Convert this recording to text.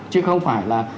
chứ không phải là